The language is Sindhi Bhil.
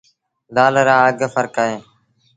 دآل رآ اگھ ڦرڪ اهيݩ ۔